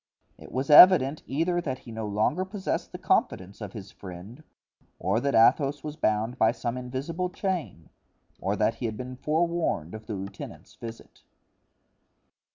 It was evident either that he no longer possessed the confidence of his friend, or that Athos was bound by some invisible chain, or that he had been forewarned of the lieutenant's visit.